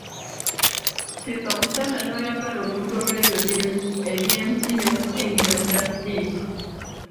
Tekakutanda n'oyagala omuntu olw'ebyo eby'ensi n'okusingira ddala ssente.